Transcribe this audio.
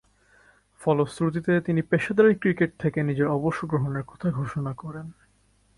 ফলশ্রুতিতে, তিনি পেশাদারী ক্রিকেট থেকে নিজের অবসর গ্রহণের কথা ঘোষণা করেন।